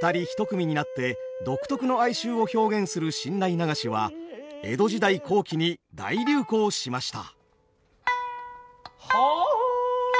二人一組になって独特の哀愁を表現する新内流しは江戸時代後期に大流行しました。